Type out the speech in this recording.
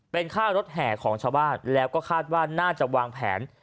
เป็นค่ารถแห่ของชาวบ้านแล้วก็คาดว่าน่าจะวางแผน